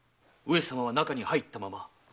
上様は中に入ったまま。